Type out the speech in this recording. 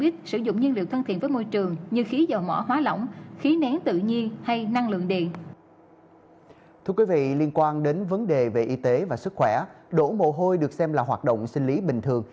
thưa quý vị liên quan đến vấn đề về y tế và sức khỏe đổ mồ hôi được xem là hoạt động sinh lý bình thường